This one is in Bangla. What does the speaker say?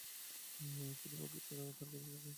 তিনি পত্রিকায় তার কাজটি খোয়ান।